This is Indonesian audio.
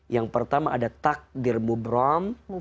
yang pertama ada takdir mubram